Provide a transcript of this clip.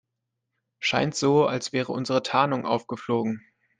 Scheint so, als wäre unsere Tarnung aufgeflogen.